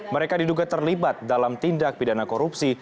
mereka diduga terlibat dalam tindak pidana korupsi